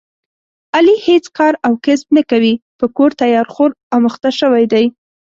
علي هېڅ کار او کسب نه کوي، په کور تیار خور مخته شوی دی.